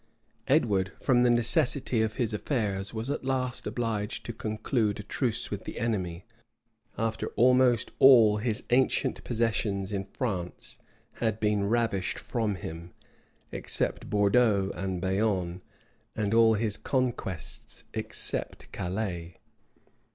Edward, from the necessity of his affairs was at last obliged to conclude a truce with the enemy;[] after almost all his ancient possessions in France had been ravished from him, except Bordeaux and Bayonne, and all his conquests, except Calais.